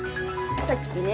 さっきね